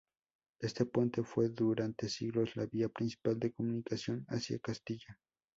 Este puente fue durante siglos la vía principal de comunicación hacia Castilla.